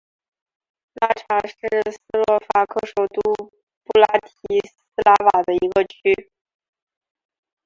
拉察是斯洛伐克首都布拉提斯拉瓦的一个区。